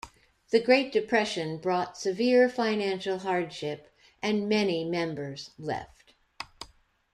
The Great Depression brought severe financial hardship and many members left.